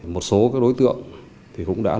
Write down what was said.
một số đối tượng cũng đã lưu